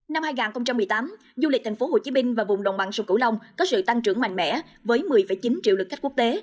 năm hai nghìn một mươi tám du lịch thành phố hồ chí minh và vùng đồng bằng sông cửu long có sự tăng trưởng mạnh mẽ với một mươi chín triệu lực khách quốc tế